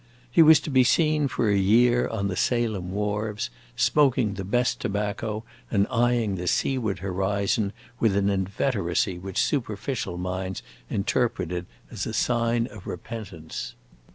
He was to be seen for a year on the Salem wharves, smoking the best tobacco and eying the seaward horizon with an inveteracy which superficial minds interpreted as a sign of repentance.